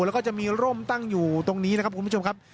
แล้วก็จะมีร่มตั้งอยู่ตรงนี้นะครับคุณผู้ชมครับ